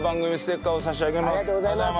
ありがとうございます。